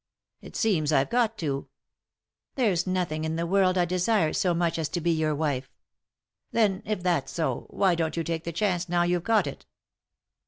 " It seems I've got to." " There's nothing in the world I desire so much as to be yonr wife." "Then, if that's so, why don't you take the chance now you've got it